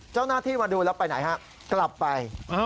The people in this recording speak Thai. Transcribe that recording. เจ้าหน้าที่มาดูแล้วไปไหนฮะกลับไป